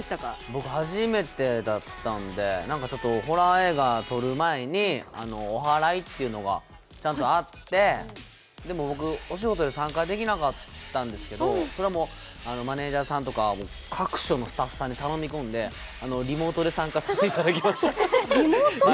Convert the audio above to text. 僕初めてだったんで、ホラー映画撮る前におはらいっていうのがちゃんとあってでも僕、お仕事で参加できなかったんですけどそれはマネージャーさんとか、各所のスタッフさんに頼み込んで、リモートで参加させてもらいました。